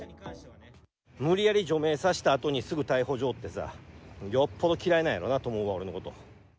無理やり除名させたあとにすぐ逮捕状ってさ、よっぽど嫌いなんやろうなと思うわ、俺のこと。